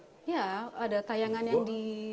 ada tayangan yang di